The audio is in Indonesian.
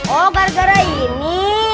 oh gara gara ini